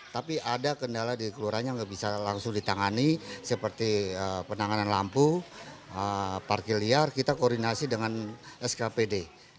tapi ada kendala di kelurahan yang tidak bisa langsung ditangani seperti penanganan lampu parkir liar kita koordinasi dengan skpd